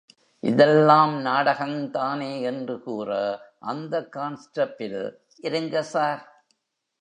இதெல்லாம் நாடகங்தானே! என்று கூற, அந்தக் கான்ஸ்ட பில் இருங்க சார்!